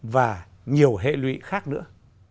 và nhiều hệ lụy khác nữa